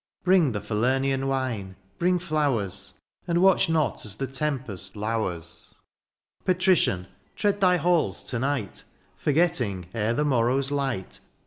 Bring the Falemian wine ! bring flowers ! And watch not as the tempest lowers. Patrician ! tread thy halls to night. Forgetting, ere the morrow's light.